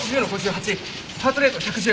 ハートレート１１０。